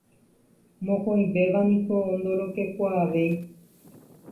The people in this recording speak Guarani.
Mokõivéva niko ndorokekuaavéi.